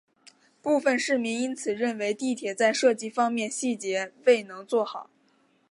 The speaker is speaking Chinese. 部分市民因此认为地铁在设计方面细节未能做好。